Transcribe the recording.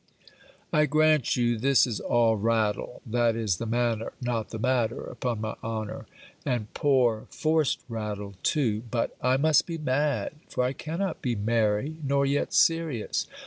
I grant you, this is all rattle (that is the manner not the matter, upon my honor), and poor forced rattle too; but I must be mad, for I cannot be merry, nor yet serious.